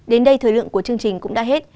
đến đây thời lượng của chương trình cũng đã hết